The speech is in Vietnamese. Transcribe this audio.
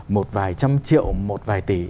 một vài trăm triệu một vài tỷ